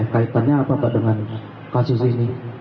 bapak tanya apa dengan kasus ini